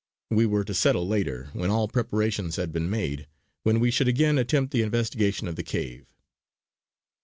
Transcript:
We were to settle later, when all preparations had been made, when we should again attempt the investigation of the cave.